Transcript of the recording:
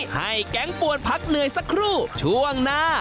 ให้ก็จะให้แก่งปวดพักเหนื่อยสักรู่ขนาดหน้า